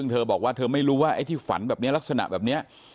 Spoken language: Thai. เธอบอกว่าเธอไม่รู้ว่าไอ้ที่ฝันแบบนี้ลักษณะแบบนี้